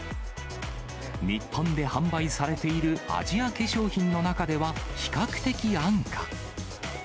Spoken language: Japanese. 日本で販売されているアジア化粧品の中では比較的安価。